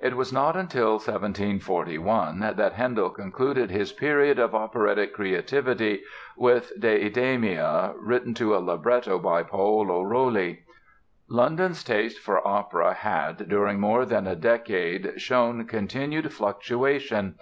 It was not till 1741 that Handel concluded his period of operatic creativity with "Deidamia", written to a libretto by Paolo Rolli. London's taste for opera had, during more than a decade shown continued fluctuation.